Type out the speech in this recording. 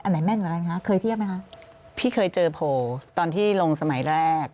ไหนแม่นเหมือนกันคะเคยเทียบไหมคะพี่เคยเจอโผล่ตอนที่ลงสมัยแรก